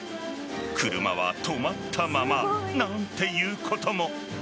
車は止まったままなんていうことも。